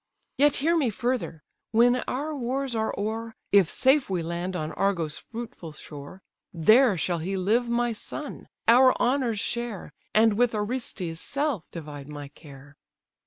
Yet hear me further: when our wars are o'er, If safe we land on Argos' fruitful shore, There shall he live my son, our honours share, And with Orestes' self divide my care.